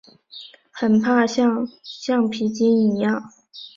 很怕像橡皮筋一样